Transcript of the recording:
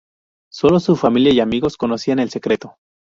Sólo su familia y amigos conocían el secreto.